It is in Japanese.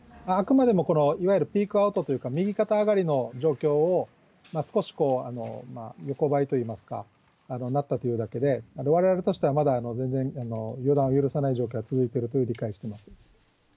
あくまでもいわゆるピークアウトというか、右肩上がりの状況を、少し横ばいといいますか、なったというだけで、われわれとしては、まだ全然、予断を許さない状況が続いていると理解してます。